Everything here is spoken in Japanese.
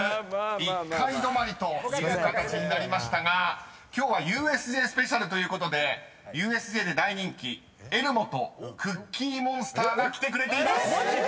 １階止まりという形になりましたが今日はＵＳＪスペシャルということでＵＳＪで大人気エルモとクッキーモンスターが来てくれています］